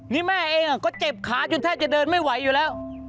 นี่แม่เองก็เจ็บขาจนแทบจะเดินไม่ไหว